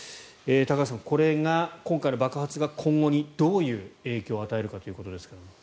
高橋さん、これが今回の爆発が今後にどういう影響を与えるかということですが。